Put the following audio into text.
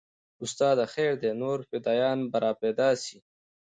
استاده خير دى نور فدايان به راپيدا سي.